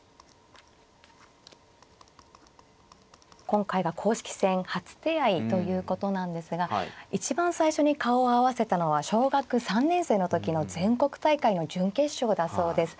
今回が公式戦初手合いということなんですが一番最初に顔を合わせたのは小学３年生の時の全国大会の準決勝だそうです。